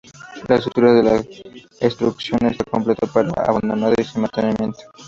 La estructura de la estación está completo, pero abandonada y sin mantenimiento.